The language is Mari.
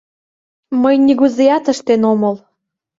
— Мый нигузеат ыштен омыл...